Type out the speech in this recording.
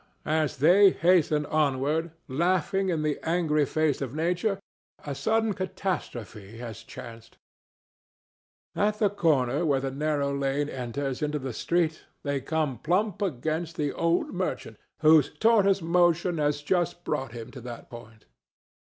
Ah! as they hasten onward, laughing in the angry face of nature, a sudden catastrophe has chanced. At the corner where the narrow lane enters into the street they come plump against the old merchant, whose tortoise motion has just brought him to that point.